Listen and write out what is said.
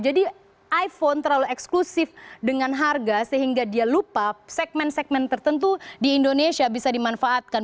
jadi iphone terlalu eksklusif dengan harga sehingga dia lupa segmen segmen tertentu di indonesia bisa dimanfaatkan